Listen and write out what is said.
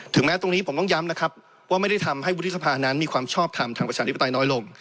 แม้ตรงนี้ผมต้องย้ำนะครับว่าไม่ได้ทำให้วุฒิสภานั้นมีความชอบทำทางประชาธิปไตยน้อยลง